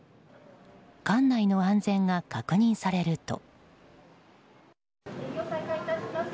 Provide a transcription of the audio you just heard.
館内の安全が確認されると。